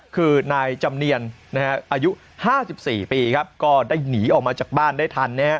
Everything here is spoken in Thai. คือนายจำเนียนนะฮะอายุ๕๔ปีครับก็ได้หนีออกมาจากบ้านได้ทันนะฮะ